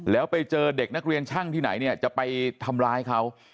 แล้วไปเจอเด็กนักเรียนช่างที่ไหนเนี่ยจะไปทำร้ายเขา